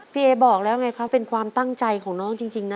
เอบอกแล้วไงครับเป็นความตั้งใจของน้องจริงนะ